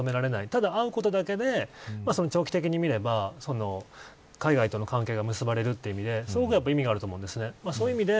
ただ会うことだけで長期的に見れば海外との関係が結ばれるという意味で意味があると思うんです。